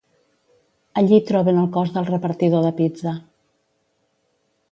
Allí troben el cos del repartidor de pizza.